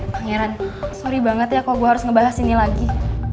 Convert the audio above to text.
pangeran sorry banget ya kok gue harus ngebahas ini lagi